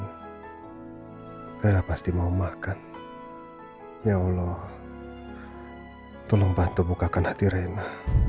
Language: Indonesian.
hai rina pasti mau makan ya allah tolong bantu bukakan hati rena